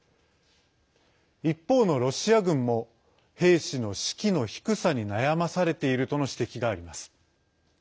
一方のロシア軍も兵士の士気の低さに悩まされているとの指摘があります。